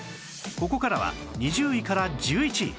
ここからは２０位から１１位